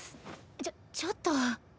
ちょちょっと。